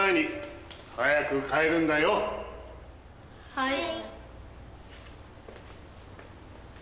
はい。